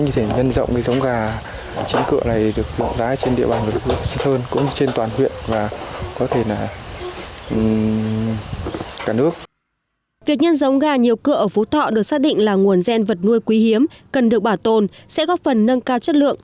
việc giống gà nhiều cưa ở phú thọ được xác định là nguồn gen vật nuôi quý hiếm cần được bảo tồn sẽ góp phần nâng cao chất lượng